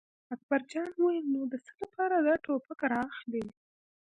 اکبر جان وویل: نو د څه لپاره دا ټوپک را اخلې.